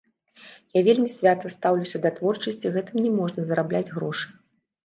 Я вельмі свята стаўлюся да творчасці, гэтым не можна зарабляць грошы.